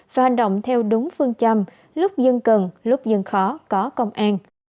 và hành động theo đúng phương châm lúc dân cần lúc dân khó có công an